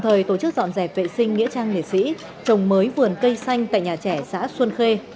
trước dọn dẹp vệ sinh nghĩa trang nghệ sĩ trồng mới vườn cây xanh tại nhà trẻ xã xuân khê